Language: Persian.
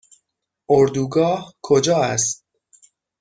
اردوگاه کجا است؟